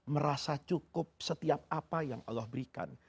merasa cukup setiap apa yang allah berikan